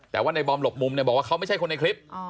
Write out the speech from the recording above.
แต่ว่าในบอมหลบมุมเนี่ยบอกว่าเขาไม่ใช่คนในคลิป